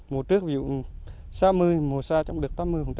mùa trước ví dụ sáu mươi mùa xa chẳng được tám mươi